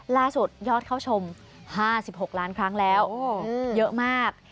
ยอดเข้าชม๕๖ล้านครั้งแล้วเยอะมาก